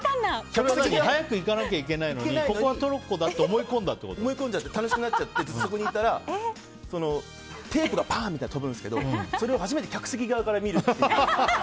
それは早く行かなきゃいけないのにここはトロッコだって思い込んで楽しくなっちゃってそこにいたらテープがパンみたいに飛ぶんですけどそれを初めて客席側から見るという。